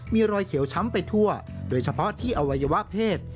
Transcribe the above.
มีรอยเขียวช้ำไปทั่วโดยเฉพาะที่อวัยวะเพศ